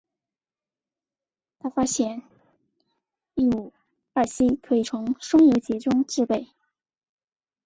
他发现异戊二烯可以从松节油中制备。